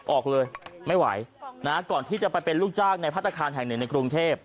ออกเลยไม่ไหวนะฮะก่อนที่จะไปเป็นลูกจ้างในพัฒนาคารแห่งหนึ่งในกรุงเทพ